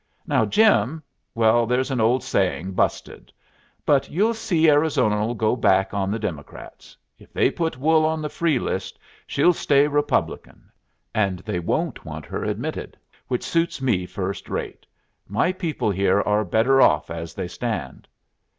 Now Jim well, there's an old saying busted. But you'll see Arizona'll go back on the Democrats. If they put wool on the free list she'll stay Republican, and they won't want her admitted, which suits me first rate. My people here are better off as they stand."